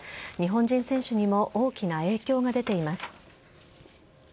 日本人選手にも大きな影響が出ています。